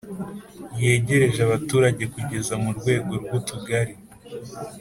yegereje abaturage kugeza mu rwego rw'utugari,